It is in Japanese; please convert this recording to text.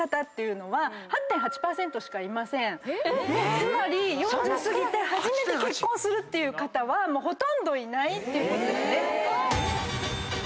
つまり４０過ぎて初めて結婚するっていう方はほとんどいないってことですね。